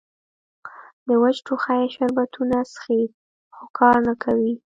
د وچ ټوخي شربتونه څښي خو کار نۀ کوي